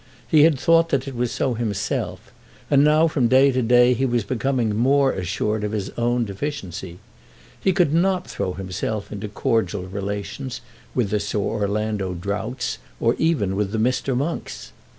He had thought that it was so himself, and now from day to day he was becoming more assured of his own deficiency. He could not throw himself into cordial relations with the Sir Orlando Droughts, or even with the Mr. Monks.